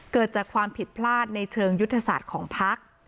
เกิดจากความผิดพลาดในเชิงยุทธศาสตร์ของพัก